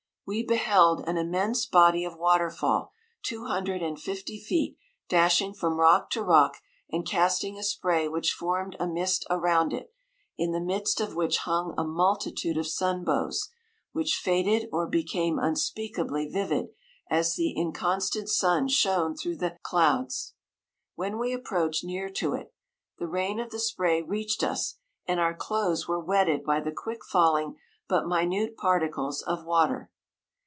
We beheld an immense 148 body of water fall two hundred and fifty feet, dashing from rock to rock, and casting a spray which formed a mist around it, in the midst of which hung a multitude of sunbows, which faded or became unspeakably vivid, as the inconstant sun shone through the clouds. When we approached near to it, the rain of the spray reached us, and our clothes were Wetted by the quick falling but minute particles of water.